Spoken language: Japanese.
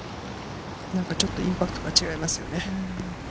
ちょっとインパクトが違いますよね。